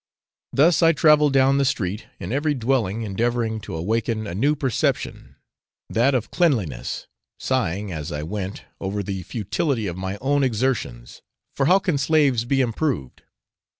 Thus I travelled down the 'street,' in every dwelling endeavouring to awaken a new perception, that of cleanliness, sighing, as I went, over the futility of my own exertions, for how can slaves be improved?